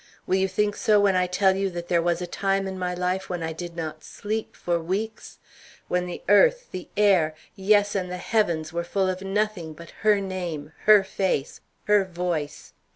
Will you think so when I tell you that there was a time in my life when I did not sleep for weeks; when the earth, the air, yes, and the heavens were full of nothing but her name, her face, her voice?